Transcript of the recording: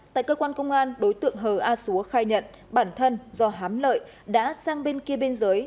tại cơ quan công an đối tượng hờ a xúa khai nhận bản thân do hám lợi đã sang bên kia biên giới